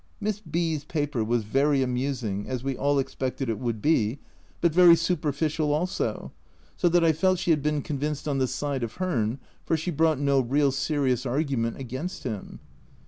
Miss B 's paper was very amusing, as we all expected it would be, but very superficial also, so that I felt she had been convinced on the side of Hearn, for she brought no real serious argument against him.